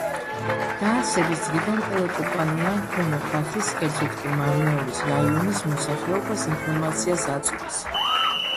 დაარსების დღიდან, ტელეკომპანია, ქვემო ქართლის, კერძოდ კი მარნეულის რაიონის მოსახლეობას ინფორმაციას აწვდის.